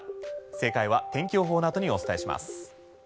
正解は天気予報のあとにお伝えします。